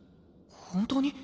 本当に？